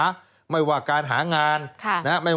สวัสดีค่ะต้อนรับคุณบุษฎี